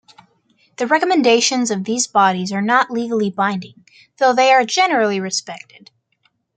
The recommendations of these bodies are not legally binding, though they are generally respected.